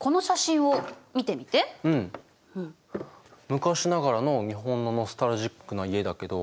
昔ながらの日本のノスタルジックな家だけど。